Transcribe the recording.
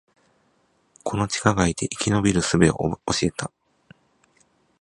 この地下街で生き延びる術を教えた